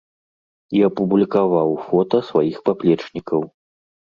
І апублікаваў фота сваіх паплечнікаў.